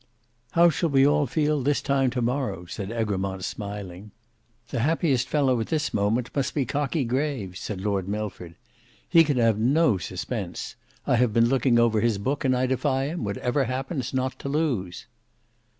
"How shall we all feel this time to morrow?" said Egremont, smiling. "The happiest fellow at this moment must be Cockie Graves," said Lord Milford. "He can have no suspense. I have been looking over his book, and I defy him, whatever happens, not to lose."